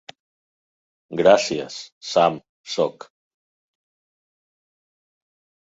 Gràcies, Sam-sóc.